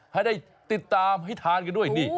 ให้ได้ติดตามให้ทานกันด้วยนี่